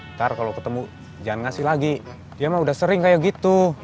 ntar kalau ketemu jangan ngasih lagi dia mah udah sering kayak gitu